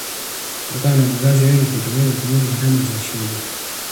Kutokana na wazazi wengi kutoweza kumudu gharama za shule